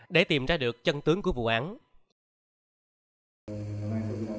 để tìm ra được chân tướng của vụ án